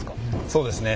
そうですね。